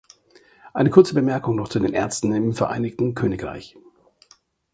Eine kurze Bemerkung noch zu den Ärzten im Vereinigten Königreich.